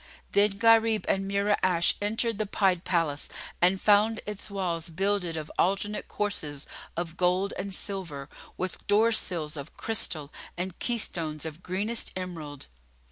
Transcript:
Then Gharib and Mura'ash entered the Pied Palace and found its walls builded of alternate courses of gold and silver, with door sills of crystal and keystones of greenest emerald.